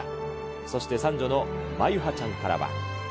そして三女の真結羽ちゃんからは。